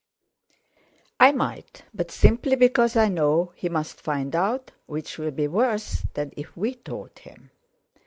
"I might, but simply because I know he must find out, which will be worse than if we told him."